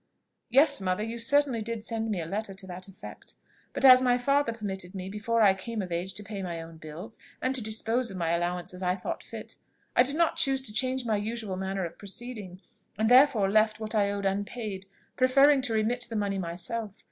"Yes, mother, you certainly did send me a letter to that effect; but as my father permitted me before I came of age to pay my own bills, and to dispose of my allowance as I thought fit, I did not choose to change my usual manner of proceeding, and therefore left what I owed unpaid, preferring to remit the money myself.